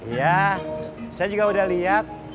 ya saya juga udah lihat